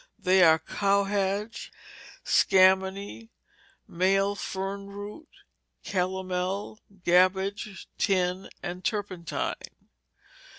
They are cowhage, scammony, male fern root, calomel, gamboge, tin, and turpentine.